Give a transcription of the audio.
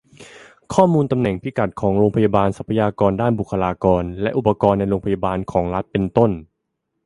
ข้อมูลตำแหน่งพิกัดของโรงพยาบาล ทรัพยากรด้านบุคลากร และ อุปกรณ์ในโรงพยาบาลของรัฐ เป็นต้น